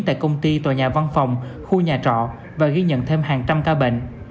tại công ty tòa nhà văn phòng khu nhà trọ và ghi nhận thêm hàng trăm ca bệnh